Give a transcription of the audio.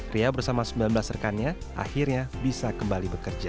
ria bersama sembilan belas rekannya akhirnya bisa kembali bekerja